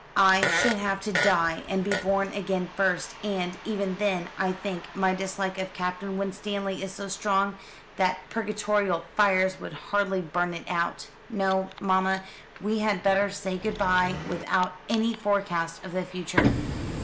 I should have to die and be born again first, and, even then, I think my dislike of Captain Winstanley is so strong that purgatorial fires would hardly burn it out. No, mamma, we had better say good bye without any forecast of the future.